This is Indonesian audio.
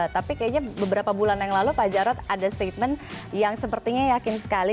tapi kayaknya beberapa bulan yang lalu pak jarod ada statement yang sepertinya yakin sekali